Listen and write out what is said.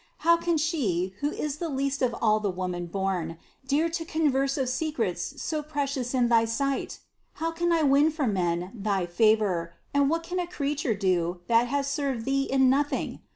How can she, who is the least of all the womanborn, dare to converse of secrets so precious in thy sight? How can I win for men thy favor, and what can a creature do, that has served Thee in nothing?